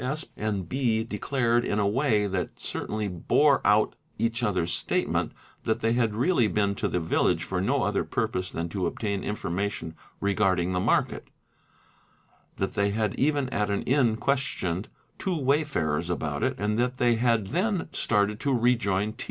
Sp. and B. declared, in a way that certainly bore out :_ each other's statement, that they had really been to the village for no other 7 purpose than to obtain information regarding the market; that they had even at an inn questioned two wayfarers about it and that they had then started to rejoin T.